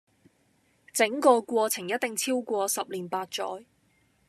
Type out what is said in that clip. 整個過程一定超過十年八載